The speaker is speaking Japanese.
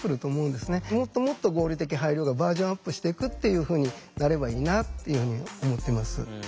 もっともっと合理的配慮がバージョンアップしていくっていうふうになればいいなっていうふうに思ってます。